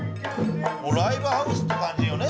ライブハウスって感じよね